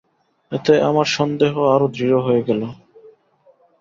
এতে আমার সন্দেহ আরো দৃঢ় হয়ে গেল।